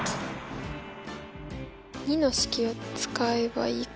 ②の式を使えばいいから。